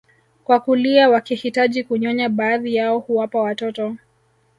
kwa kulia wakihitaji kunyonya baadhi yao huwapa watoto